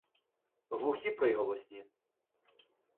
Глухі приголосні